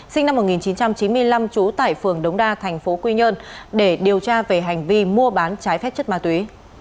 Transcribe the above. sinh năm một nghìn chín trăm chín mươi năm trú tại phường đống đa thành phố quy nhơn để điều tra về hành vi mua bán trái phép chất ma túy